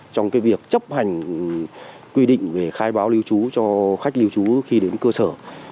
trong việc chấp hành quy định về khai báo lưu trú cho khách lưu trú khi đến cơ sở